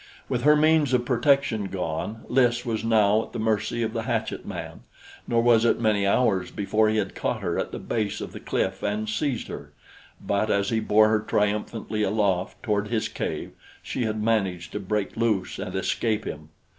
With her means of protection gone, Lys was now at the mercy of the hatchet man; nor was it many hours before he had caught her at the base of the cliff and seized her; but as he bore her triumphantly aloft toward his cave, she had managed to break loose and escape him.